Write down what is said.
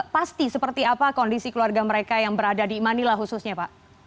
pasti seperti apa kondisi keluarga mereka yang berada di manila khususnya pak